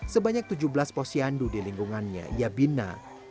sebanyak tujuh belas pos siandu di lingkungannya ia bina